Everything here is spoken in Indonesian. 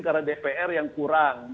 karena dpr yang kurang